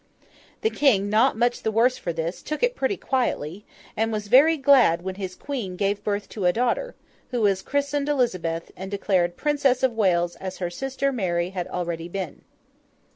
The King, not much the worse for this, took it pretty quietly; and was very glad when his Queen gave birth to a daughter, who was christened Elizabeth, and declared Princess of Wales as her sister Mary had already been.